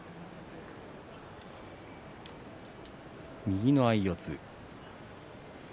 右の相四つ。